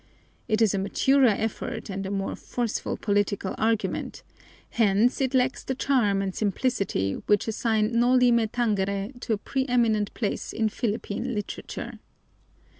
It is a maturer effort and a more forceful political argument, hence it lacks the charm and simplicity which assign Noli Me Tangere to a preeminent place in Philippine literature.